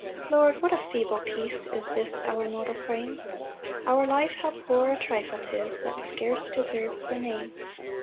1 Lord what a feeble piece Is this our mortal frame! Our life how poor a trifle 'tis, That scarce deserves the name!